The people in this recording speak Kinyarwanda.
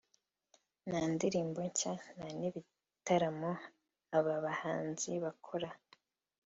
nta ndirimbo nshya nta n'ibitaramo aba bahanzi bakora